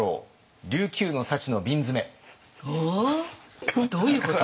おお？どういうこと？